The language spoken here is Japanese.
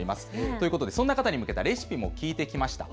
ということでそんな方に向けたレシピも聞いてきました。